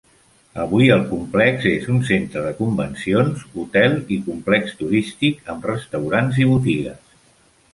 Avui, el complex és un centre de convencions, hotel i complex turístic amb restaurants i botigues.